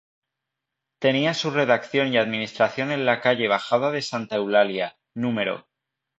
Tenía su redacción y administración en la calle Bajada de Santa Eulalia, núm.